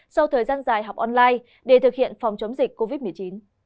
sau thời gian dài học online để thực hiện phòng chống dịch covid một mươi chín